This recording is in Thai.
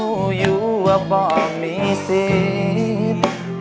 พูดอยู่ว่าบอกมีสิทธิ์